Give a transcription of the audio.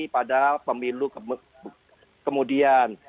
pada pemilu kemudian